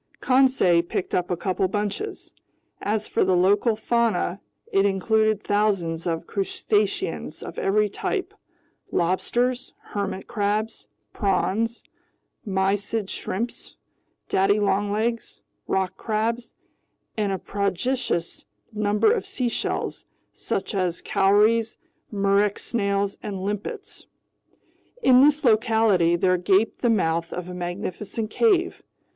Conseil picked a couple bunches. As for the local fauna, it included thousands of crustaceans of every type: lobsters, hermit crabs, prawns, mysid shrimps, daddy longlegs, rock crabs, and a prodigious number of seashells, such as cowries, murex snails, and limpets. In this locality there gaped the mouth of a magnificent cave.